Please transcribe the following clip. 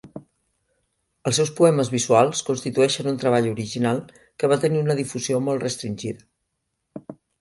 Els seus poemes visuals constitueixen un treball original que va tenir una difusió molt restringida.